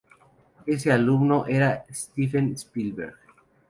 Ese alumno era Steven Spielberg.